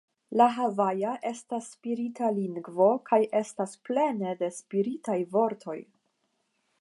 La havaja estas spirita lingvo kaj estas plene de spiritaj vortoj.